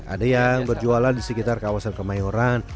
ada yang berjualan di sekitar kawasan kemayoran